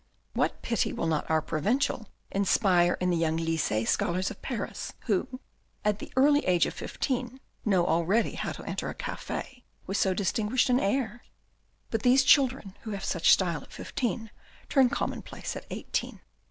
What pity will not our provincial inspire in the young lycee scholars of Paris, who, at the early age of fifteen, know already how to enter a cafe with so distinguished an air ? But these children who have such style at fifteen turn commonplace at eighteen.